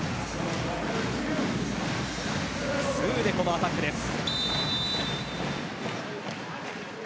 ２で、このアタックです。